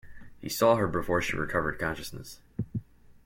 He saw her before she recovered consciousness.